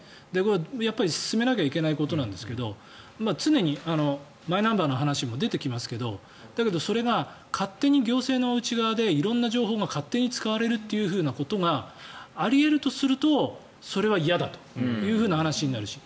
やっぱり進めなきゃいけないことなんですがつねにマイナンバーの話も出てきますがだけど、それが勝手に行政の内側で色んな情報が勝手に使われるということがあり得るとするとそれは嫌だという話になるし。